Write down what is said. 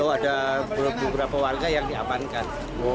ada beberapa warga yang diamankan